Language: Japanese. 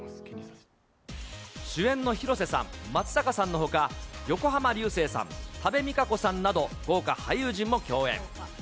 主演の広瀬さん、松坂さんのほか、横浜流星さん、多部未華子さんなど、豪華俳優陣も共演。